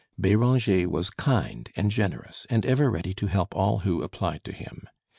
Béranger was kind and generous, and ever ready to help all who applied to him.